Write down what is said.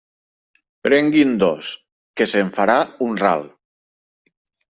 Prengui’n dos, que se’n farà un ral.